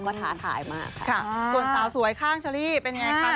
ค่ะสวงสาวสวยข้างเชอรี่เป็นยังไงคะ